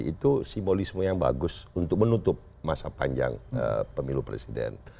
itu simbolisme yang bagus untuk menutup masa panjang pemilu presiden